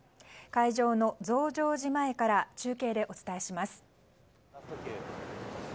会場の増上寺前から中継でお伝えします。